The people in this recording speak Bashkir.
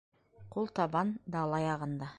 Ҡултабан дала яғында.